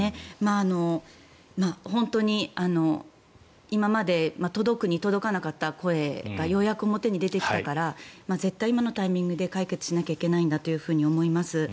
本当に今まで届くに届かなかった声がようやく表に出てきたから絶対、今のタイミングで解決しなきゃいけないんだと思います。